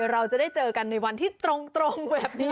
เราจะได้เจอกันในวันที่ตรงแบบนี้